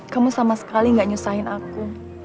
kamu sama sekali gak nyusahin aku